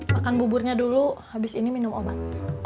makan buburnya dulu habis ini minum obat